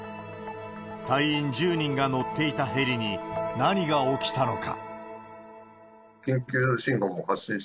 隊員１０人が乗っていたヘリに、何が起きたのか。